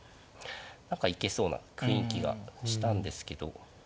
何か行けそうな雰囲気がしたんですけど。